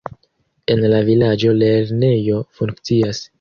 En la vilaĝo lernejo funkcias.